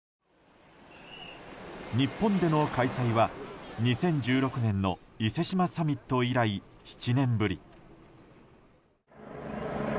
日本での開催は２０１６年の伊勢志摩サミット以来７年ぶり。